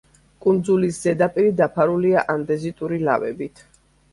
კუნძულის ზედაპირი დაფარულია ანდეზიტური ლავებით.